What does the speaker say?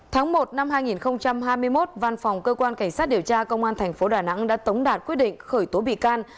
tháng một năm hai nghìn hai mươi một văn phòng cơ quan cảnh sát điều tra công an thành phố đà nẵng đã tống đạt quyết định khởi tố bị can